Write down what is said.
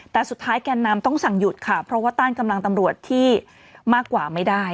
แต่สุดท้ายแกนนำต้องสั่งหยุดค่ะเพราะว่าต้านกำลังตำรวจที่มากกว่าไม่ได้